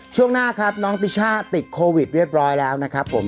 ช่วงหน้าครับน้องติช่าติดโควิดเรียบร้อยแล้วนะครับผม